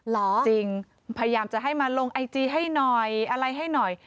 จริงพยายามจะให้มาลงไอจีให้หน่อยอะไรให้หน่อย